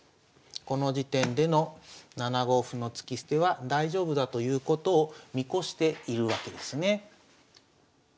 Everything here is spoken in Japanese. この時点での７五歩の突き捨ては大丈夫だということを見越しているわけですね。